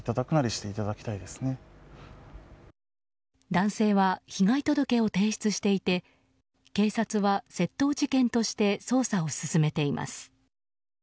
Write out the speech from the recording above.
男性は被害届を提出していて警察は窃盗事件として捜査を進めています。